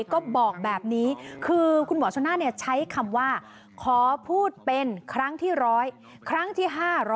ก็บอกแบบนี้คือคุณหมอชนน่าใช้คำว่าขอพูดเป็นครั้งที่๑๐๐ครั้งที่๕๐๐